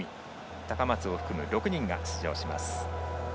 高松を含む６人が出場します。